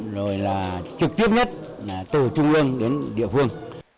rồi là trực tiếp nhất là từ trung ương đến địa phương